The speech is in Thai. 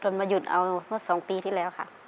มาหยุดเอาเมื่อ๒ปีที่แล้วค่ะ